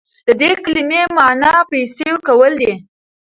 د دې کلمې معنی پیسې ورکول دي.